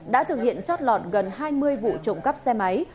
đã thực hiện chót lọt gần hai mươi vụ trộm cắp xe máy